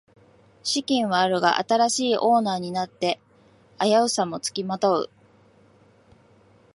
資金はあるが新しいオーナーになって危うさもつきまとう